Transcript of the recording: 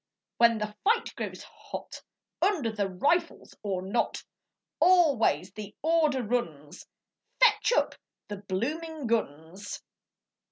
when the fight grows hot, Under the rifles or not, Always the order runs, 'Fetch up the bloomin' guns!'